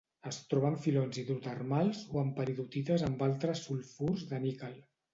Es troba en filons hidrotermals, o en peridotites amb altres sulfurs de níquel.